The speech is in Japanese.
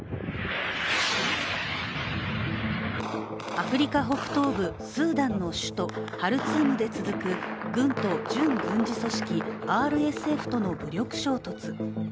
アフリカ北東部スーダンの首都ハルツームで続く軍と準軍事組織ＲＳＦとの武力衝突。